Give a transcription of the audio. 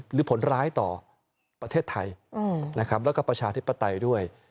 หรือผลร้ายต่อประเทศไทยแล้วก็ประชาหากฐิพิวัติด้วย